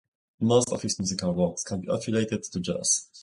Most of his musical works can be affiliated to Jazz.